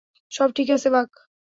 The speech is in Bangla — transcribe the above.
সব ঠিক আছে, বাক।